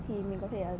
thì mình có thể